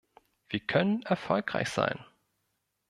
Wir können erfolgreich sein.